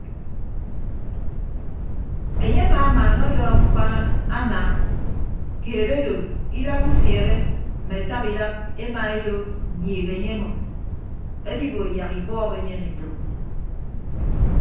Enye amamaana ọdọọk mkpana ana keed odo idap usiere mme ataba idap emaedo nyiik enye emʌm edibo yak ibọọb enyen etәk.